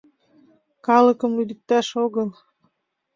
— Калыкым лӱдыкташ огыл.